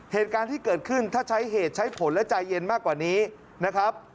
เหตุการณ์ที่เกิดขึ้นถ้าใช้เหตุใช้ผลและใจเย็นมากกว่านี้นะครับ